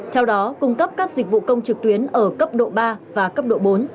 theo đó cung cấp các dịch vụ công trực tuyến ở cấp độ ba và cấp độ bốn